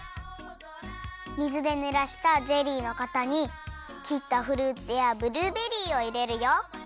水でぬらしたゼリーのかたにきったフルーツやブルーベリーをいれるよ！